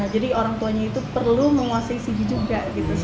jadi orang tuanya itu perlu menguasai cv juga